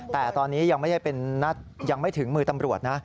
แต่ตอนนี้ยังไม่ถึงมือตำรวจนะ